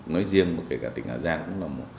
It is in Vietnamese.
nói riêng kể cả tỉnh hà giang